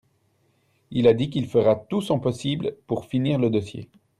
il a dit qu'il fera tout son possible pour finir le dossier.